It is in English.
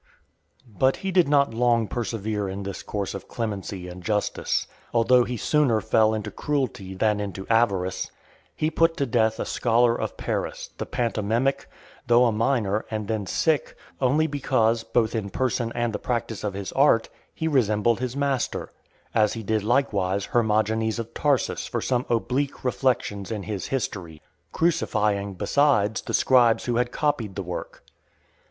X. But he did not long persevere in this course of clemency and justice, although he sooner fell into cruelty than into avarice. He put to death a scholar of Paris, the pantomimic , though a minor, and then sick, only because, both in person and the practice of his art, he resembled his master; as he did likewise Hermogenes of Tarsus for some oblique reflections in his History; crucifying, besides, the scribes who had copied the work.